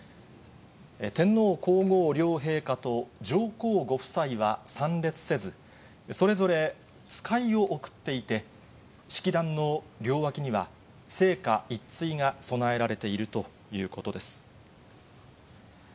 天皇皇后両陛下と上皇ご夫妻は参列せず、それぞれ使いを送っていて、式壇の両脇には生花一対が供えられているということです。